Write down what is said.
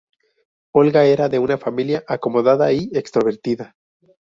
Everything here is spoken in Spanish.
Olga era de una familia acomodada y extrovertida.